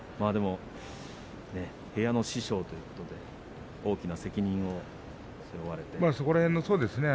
部屋の師匠ということで大きな責任を背負われましたね。